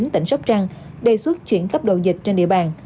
tỉnh sóc trăng đề xuất chuyển cấp độ dịch trên địa bàn